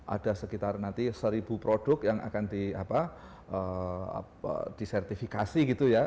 ada sekitar nanti seribu produk yang akan disertifikasi gitu ya